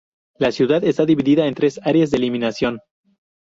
La ciudad está dividida en tres áreas de eliminación.